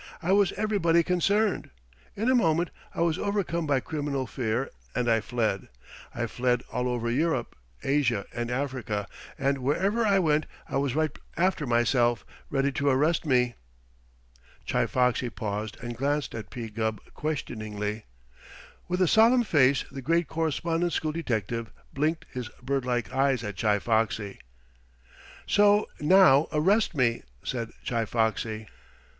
I was everybody concerned. In a moment I was overcome by criminal fear and I fled. I fled all over Europe, Asia, and Africa, and wherever I went I was right after myself, ready to arrest me." Chi Foxy paused and glanced at P. Gubb questioningly. With a solemn face the great Correspondence School detective blinked his bird like eyes at Chi Foxy. "So now arrest me," said Chi Foxy.